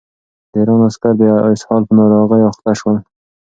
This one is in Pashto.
د ایران عسکر د اسهال په ناروغۍ اخته شول.